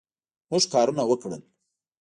موږ کارونه وکړل